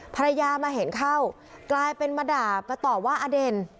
ภรรยามาเห็นเข้ากลายเป็นมาด่ามาตอบว่าอเด่น